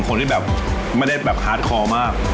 คนที่แบบไม่ได้แบบฮาร์ดคอมาก